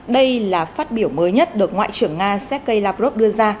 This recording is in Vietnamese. đây là phát biểu mới nhất được ngoại trưởng nga sergei lavrov đưa ra